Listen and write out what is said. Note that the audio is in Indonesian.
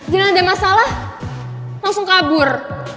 jika ada masalah langsung kabur